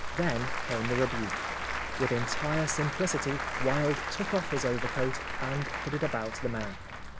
Then came the rebuke. With entire simplicity Wilde took off his overcoat and put it about the man.